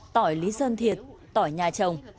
tỏi lý sơn thiệt tỏi nhà chồng